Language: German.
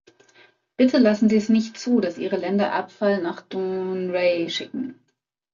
Bitte lassen Sie es nicht zu, dass Ihre Länder Abfall nach Dounreay schicken.